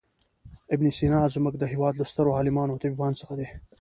ابن سینا زموږ د هېواد له سترو عالمانو او طبیبانو څخه دی.